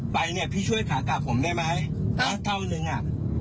ไปเนี่ยพี่ช่วยขากลับผมได้ไหมนะเท่านึงอ่ะ